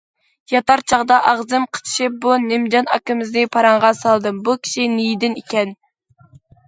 ياتار چاغدا ئاغزىم قىچىشىپ بۇ نىمجان ئاكىمىزنى پاراڭغا سالدىم، بۇ كىشى نىيىدىن ئىكەن.